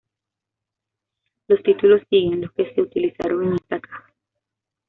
Los títulos siguen los que se utilizaron en esta caja.